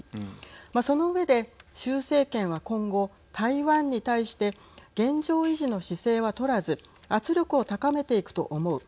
その上で習政権は今後台湾に対して現状維持の姿勢は取らず圧力を高めていくと思う。